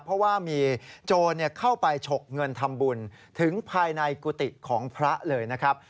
เพราะว่ามีโจรเข้าไปฉกเงินทำบุญถึงภายในกุฏิของพระเลยนะครับ